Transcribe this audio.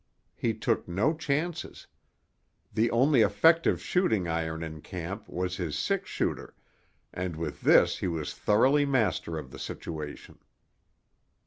He took no chances. The only effective shooting iron in camp was his six shooter and, with this he was thoroughly master of the situation.